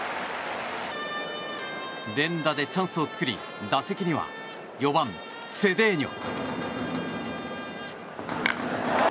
連打でチャンスを作り打席には４番、セデーニョ。